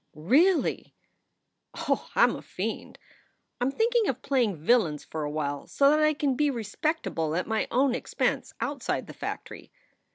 "Really!" "Oh, I m a fiend. I m thinking of playing villains for a while, so that I can be respectable at my own expense out side the factory.